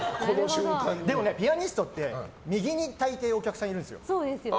でもピアニストって右に大抵お客さんいるんですよ。